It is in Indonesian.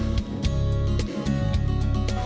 jadi ini adalah aromanya yang paling tajam